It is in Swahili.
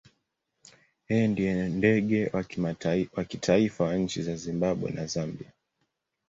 Yeye ndiye ndege wa kitaifa wa nchi za Zimbabwe na Zambia.